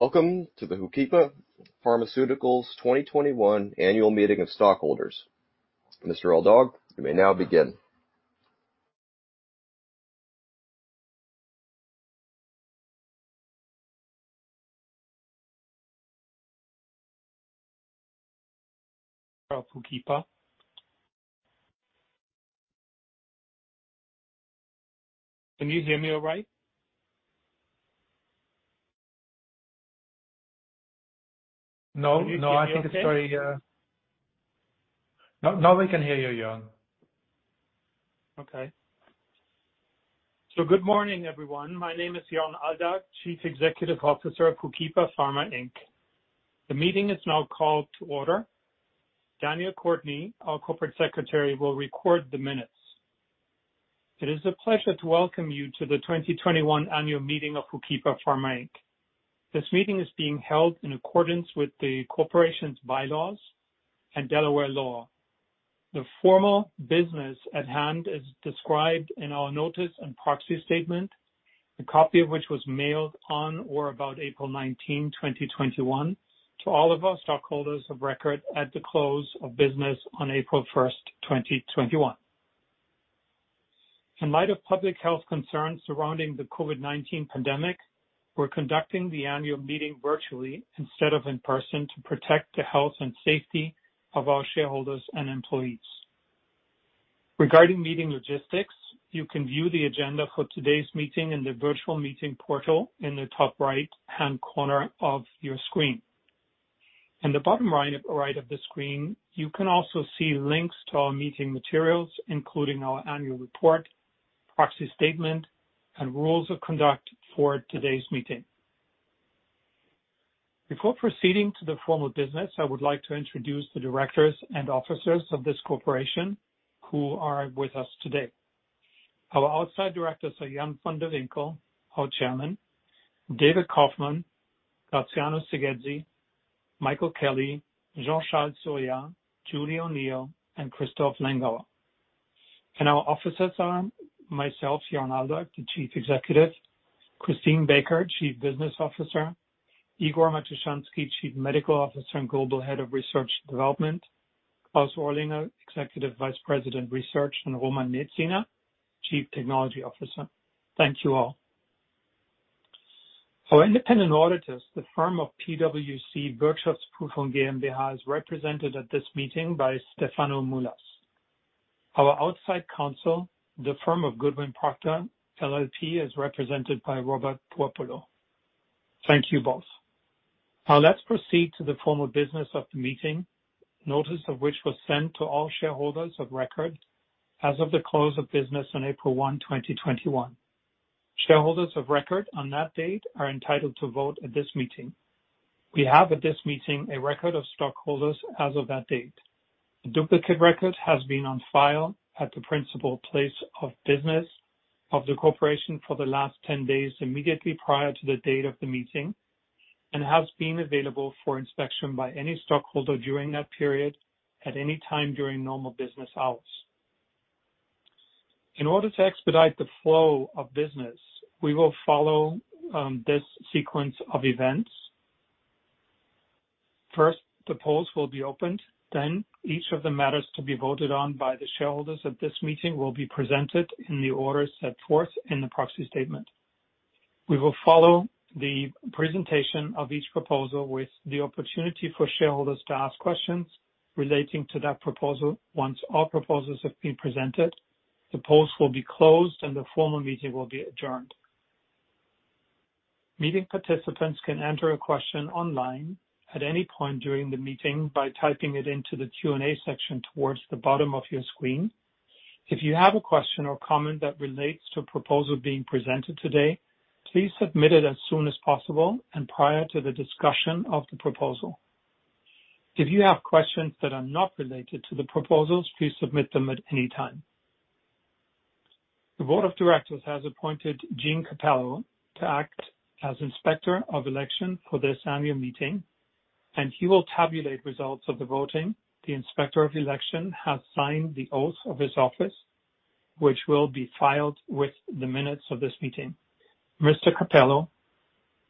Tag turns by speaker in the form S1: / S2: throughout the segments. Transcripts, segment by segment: S1: Welcome to the HOOKIPA Pharmaceuticals 2021 Annual Meeting of Stockholders. Mr. Aldag, you may now begin.
S2: HOOKIPA. Can you hear me all right?
S1: No, I think it's.
S2: Can you hear me okay?
S1: Now we can hear you, Jörn.
S2: Good morning, everyone. My name is Jörn Aldag, Chief Executive Officer of HOOKIPA Pharma, Inc The meeting is now called to order. Daniel Courtney, our Corporate Secretary, will record the minutes. It is a pleasure to welcome you to the 2021 annual meeting of HOOKIPA Pharma, Inc. This meeting is being held in accordance with the corporation's bylaws and Delaware law. The formal business at hand is described in our notice and proxy statement, a copy of which was mailed on or about April 19, 2021, to all of our stockholders of record at the close of business on April 1st, 2021. In light of public health concerns surrounding the COVID-19 pandemic, we're conducting the annual meeting virtually instead of in person to protect the health and safety of our shareholders and employees. Regarding meeting logistics, you can view the agenda for today's meeting in the virtual meeting portal in the top right-hand corner of your screen. In the bottom right of the screen, you can also see links to all meeting materials, including our annual report, proxy statement, and rules of conduct for today's meeting. Before proceeding to the formal business, I would like to introduce the directors and officers of this corporation who are with us today. Our outside directors are Jan van de Winkel, our Chairman, David Kaufman, Graziano Seghezzi, Michael Kelly, Jean-Charles Soria, Julie O'Neill, and Christophe Langlois. Our officers are myself, Jörn Aldag, the Chief Executive, Christine Baker, Chief Business Officer, Igor Matushansky, Chief Medical Officer and Global Head of Research and Development, Klaus Orlinger, Executive Vice President, Research, and Roman Necina, Chief Technology Officer. Thank you all. Our independent auditors, the firm of PwC, PricewaterhouseCoopers GmbH, is represented at this meeting by Stefano Mulas. Our outside counsel, the firm of Goodwin Procter LLP, is represented by Robert Puopolo. Thank you both. Let's proceed to the formal business of the meeting, notice of which was sent to all shareholders of record as of the close of business on April 1, 2021. Shareholders of record on that date are entitled to vote at this meeting. We have at this meeting a record of stockholders as of that date. A duplicate record has been on file at the principal place of business of the corporation for the last 10 days immediately prior to the date of the meeting and has been available for inspection by any stockholder during that period at any time during normal business hours. In order to expedite the flow of business, we will follow this sequence of events. First, the polls will be opened. Each of the matters to be voted on by the shareholders at this meeting will be presented in the order set forth in the proxy statement. We will follow the presentation of each proposal with the opportunity for shareholders to ask questions relating to that proposal. Once all proposals have been presented, the polls will be closed, and the formal meeting will be adjourned. Meeting participants can enter a question online at any point during the meeting by typing it into the Q&A section towards the bottom of your screen. If you have a question or comment that relates to a proposal being presented today, please submit it as soon as possible and prior to the discussion of the proposal. If you have questions that are not related to the proposals, please submit them at any time. The board of directors has appointed Gene Capello to act as Inspector of Election for this annual meeting, and he will tabulate results of the voting. The Inspector of Election has signed the oath of his office, which will be filed with the minutes of this meeting. Mr. Capello,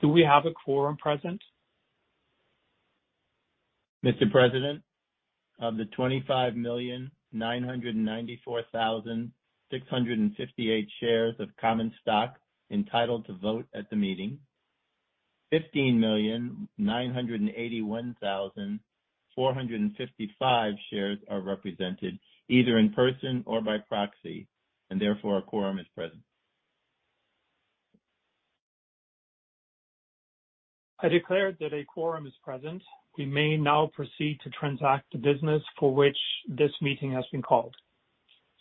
S2: do we have a quorum present?
S3: Mr. President, of the 25,994,658 shares of common stock entitled to vote at the meeting, 15,981,455 shares are represented either in person or by proxy, and therefore a quorum is present.
S2: I declare that a quorum is present. We may now proceed to transact the business for which this meeting has been called.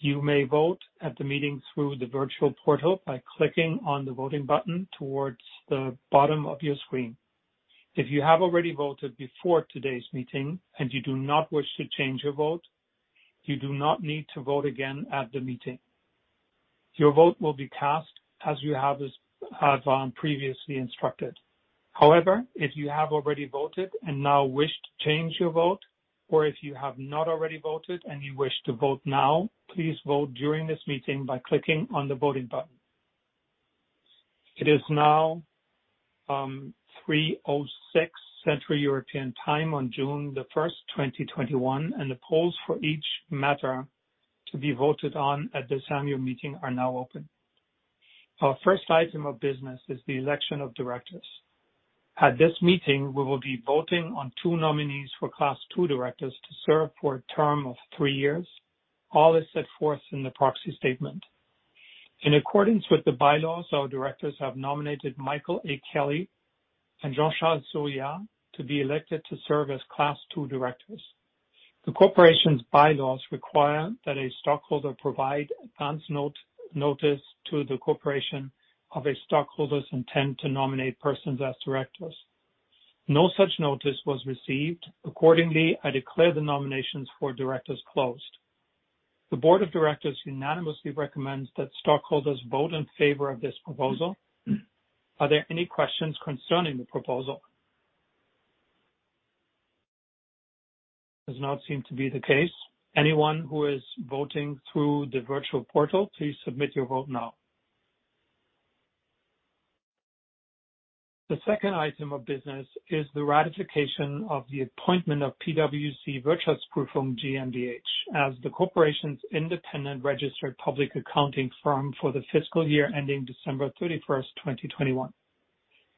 S2: You may vote at the meeting through the virtual portal by clicking on the voting button towards the bottom of your screen. If you have already voted before today's meeting and you do not wish to change your vote, you do not need to vote again at the meeting. Your vote will be cast as you have previously instructed. However, if you have already voted and now wish to change your vote, or if you have not already voted and you wish to vote now, please vote during this meeting by clicking on the voting button. It is now 3:06 Central European Time on June the 1st, 2021, and the polls for each matter to be voted on at this annual meeting are now open. Our first item of business is the election of directors. At this meeting, we will be voting on two nominees for Class II directors to serve for a term of three years. All is set forth in the proxy statement. In accordance with the bylaws, our directors have nominated Michael A. Kelly and Jean-Charles Soria to be elected to serve as Class II directors. The corporation's bylaws require that a stockholder provide advance notice to the corporation of a stockholder's intent to nominate persons as directors. No such notice was received. Accordingly, I declare the nominations for directors closed. The board of directors unanimously recommends that stockholders vote in favor of this proposal. Are there any questions concerning the proposal? Does not seem to be the case. Anyone who is voting through the virtual portal, please submit your vote now. The second item of business is the ratification of the appointment of PwC Wirtschaftsprüfung GmbH as the corporation's independent registered public accounting firm for the fiscal year ending December 31st, 2021.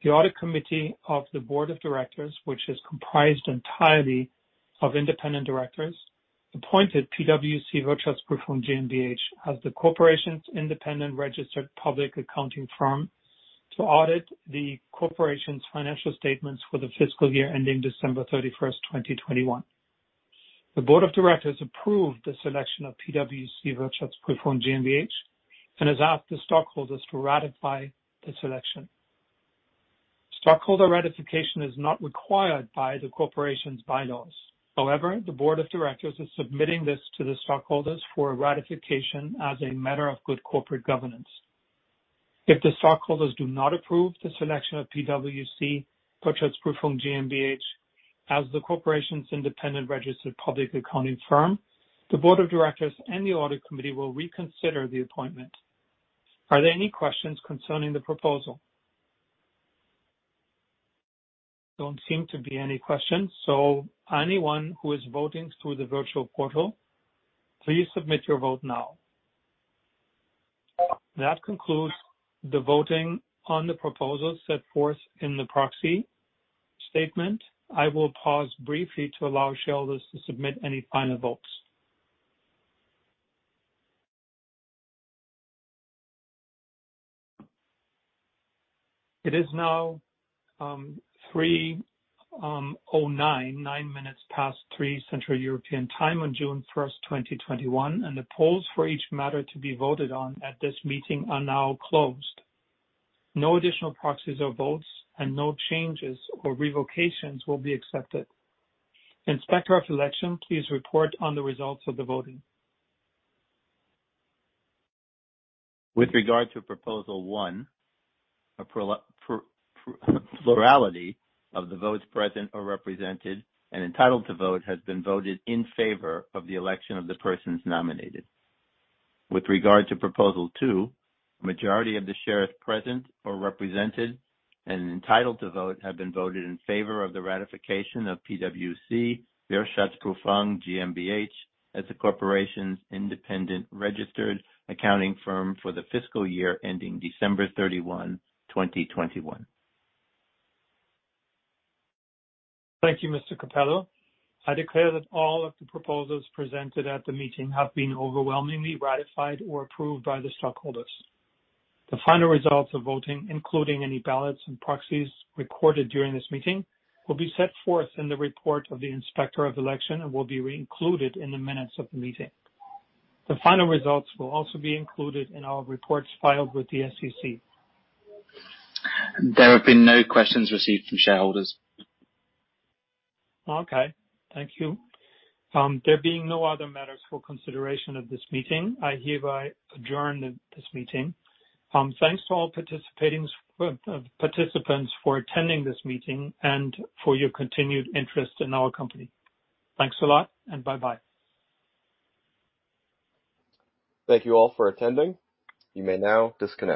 S2: The audit committee of the board of directors, which is comprised entirely of independent directors, appointed PwC Wirtschaftsprüfung GmbH as the corporation's independent registered public accounting firm to audit the corporation's financial statements for the fiscal year ending December 31st, 2021. The board of directors approved the selection of PwC Wirtschaftsprüfung GmbH and has asked the stockholders to ratify the selection. Stockholder ratification is not required by the corporation's bylaws. However, the board of directors is submitting this to the stockholders for ratification as a matter of good corporate governance. If the stockholders do not approve the selection of PwC Wirtschaftsprüfung GmbH as the corporation's independent registered public accounting firm, the board of directors and the audit committee will reconsider the appointment. Are there any questions concerning the proposal? Don't seem to be any questions. Anyone who is voting through the virtual portal, please submit your vote now. That concludes the voting on the proposal set forth in the proxy statement. I will pause briefly to allow shareholders to submit any final votes. It is now 3:09, nine minutes past three, Central European Time on June 1st, 2021, and the polls for each matter to be voted on at this meeting are now closed. No additional proxies or votes and no changes or revocations will be accepted. Inspector of Election, please report on the results of the voting.
S3: With regard to proposal one, a plurality of the votes present or represented and entitled to vote has been voted in favor of the election of the persons nominated. With regard to proposal two, the majority of the shares present or represented and entitled to vote have been voted in favor of the ratification of PwC Wirtschaftsprüfung GmbH as the corporation's independent registered accounting firm for the fiscal year ending December 31, 2021.
S2: Thank you, Mr. Capello. I declare that all of the proposals presented at the meeting have been overwhelmingly ratified or approved by the stockholders. The final results of voting, including any ballots and proxies recorded during this meeting, will be set forth in the report of the Inspector of Election and will be included in the minutes of the meeting. The final results will also be included in our reports filed with the SEC.
S1: There have been no questions received from shareholders.
S2: Okay. Thank you. There being no other matters for consideration at this meeting, I hereby adjourn this meeting. Thanks to all participants for attending this meeting and for your continued interest in our company. Thanks a lot, and bye-bye.
S1: Thank you all for attending. You may now disconnect.